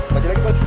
baca lagi pak